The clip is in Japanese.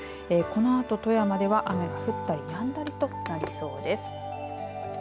このあと富山では雨が降ったりやんだりとなりそうです。